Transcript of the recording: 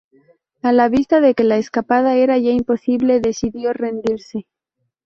A la vista de que la escapada era ya imposible, decidió rendirse.